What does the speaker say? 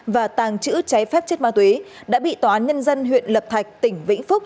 và tàng trữ trái phép chất ma túy đã bị tòa án nhân dân huyện lập thạch tỉnh vĩnh phúc